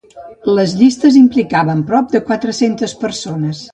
Les llistes implicaven prop de quatre-centes persones.